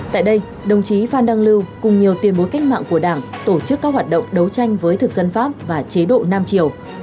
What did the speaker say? tại đây đồng chí phan đăng lưu cùng nhiều tiền bối cách mạng của đảng tổ chức các hoạt động đấu tranh với thực dân pháp và chế độ nam triều